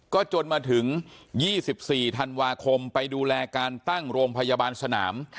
ก็จนมาถึง๒๔ธันวาคมไปดูแลการตั้งโรงพยาบาลสนาม